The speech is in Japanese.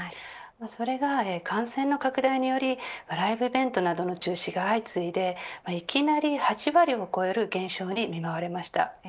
それが感染の拡大によりライブイベントなどの中止が相次いでいきなり８割を超える減少に見舞われました。